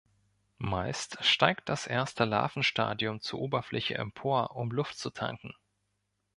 Meist steigt das erste Larvenstadium zur Oberfläche empor, um Luft zu tanken.